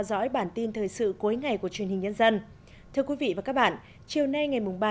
chào tặng huy hiệu bốn mươi ba mươi năm tuổi đảng cho các đảng viên thuộc đảng bộ cơ quan văn phòng quốc hội